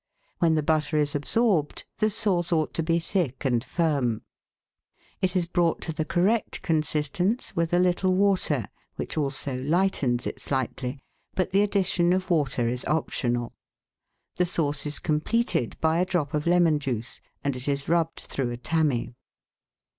When the butter is absorbed, the sauce ought to be thick and firm. It is brought to the correct con sistence with a little water, which also lightens it slightly, but the addition of water is optional. The sauce is completed by a drop of lemon juice, and it is rubbed through a tammy.